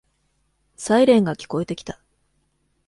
サイレンが聞こえてきた。